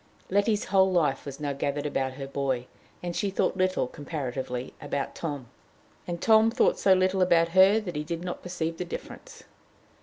Letty's whole life was now gathered about her boy, and she thought little, comparatively, about Tom. And Tom thought so little about her that he did not perceive the difference.